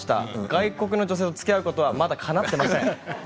外国の女性とつきあうことはまだかなっていません。